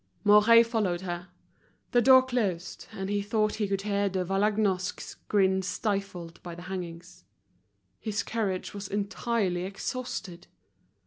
Mouret followed her. The door closed, and he thought he could hear De Vallagnosc's grin stifled by the hangings. His courage was entirely exhausted.